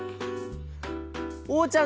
おうちゃん